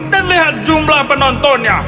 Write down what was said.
dan lihat jumlah penontonnya